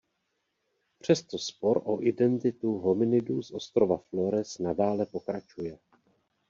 Přesto spor o identitu hominidů z ostrova Flores nadále pokračuje.